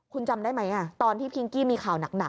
คุณจำได้ไหมตอนที่พิงกี้มีข่าวหนัก